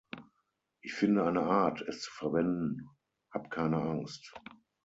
Ich finde eine Art, es zu verwenden, hab keine Angst!